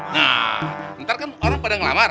nah ntar kan orang pada ngelamar